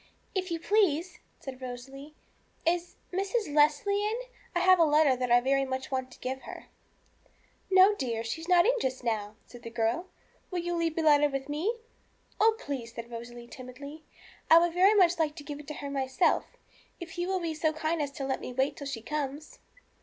'If you please,' said Rosalie, 'is Mrs. Leslie in I I have a letter that I want very much to give her.' 'No, dear; she's not in just now,' said the girl; 'will you leave the letter with me?' 'Oh, please,' said Rosalie timidly, 'I would very much like to give it to her myself, if you will be so kind as to let me wait till she comes.'